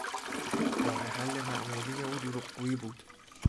راه حل معمولی او دروغگویی بود.